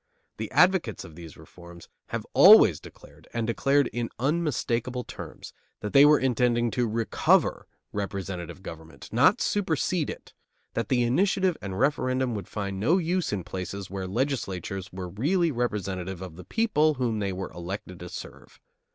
The advocates of these reforms have always declared, and declared in unmistakable terms, that they were intending to recover representative government, not supersede it; that the initiative and referendum would find no use in places where legislatures were really representative of the people whom they were elected to serve.